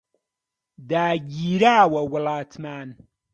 داگیراوە وڵاتمان